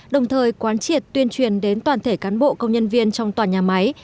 đồng thời quán triệt tuyên truyền đến toàn thể cán bộ công nhân viên trong toàn nhà máy